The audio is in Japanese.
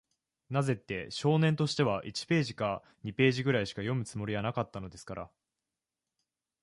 なぜって、少年としては、一ページか二ページぐらいしか読むつもりはなかったのですから。